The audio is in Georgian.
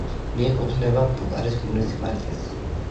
მიეკუთვნება პუკარის მუნიციპალიტეტს.